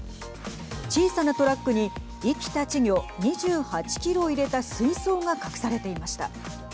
小さなトラックに生きた稚魚２８キロを入れた水槽が隠されていました。